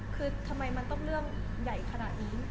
คือทำไมมันต้องเรื่องใหญ่ขนาดนี้